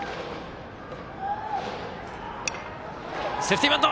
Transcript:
セーフティーバント！